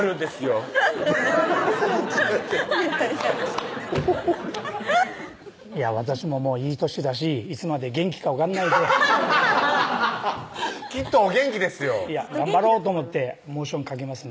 フフフフッ違う違う私ももういい年だしいつまで元気か分かんないんでアハハハッきっとお元気ですよいや頑張ろうと思ってモーションかけますね